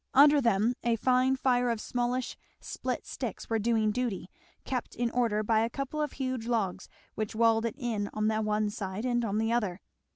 Under them a fine fire of smallish split sticks was doing duty, kept in order by a couple of huge logs which walled it in on the one side and on the other.